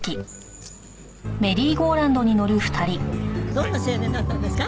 どんな青年だったんですか？